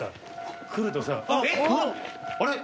あれ？